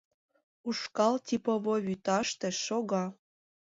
Ушкал типовой вӱташте шога.